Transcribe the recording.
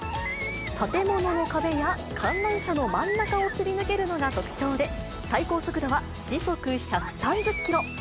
建物の壁や観覧車の真ん中をすり抜けるのが特徴で、最高速度は時速１３０キロ。